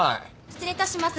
失礼いたします。